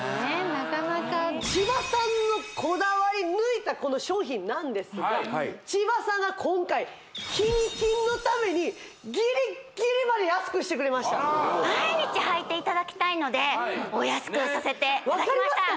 なかなか千葉さんのこだわり抜いたこの商品なんですが千葉さんが今回「キニ金」のためにギリッギリまで安くしてくれました毎日はいていただきたいのでお安くさせていただきました分かりますか？